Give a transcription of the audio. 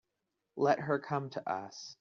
Let her come to us.